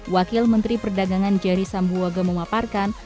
wakil menteri perdagangan jerry sambuaga memaparkan